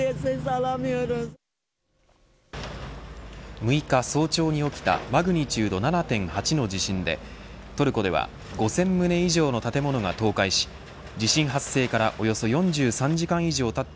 ６日早朝に起きたマグニチュード７．８の地震でトルコでは５０００棟以上の建物が倒壊し地震発生からおよそ４３時間以上たった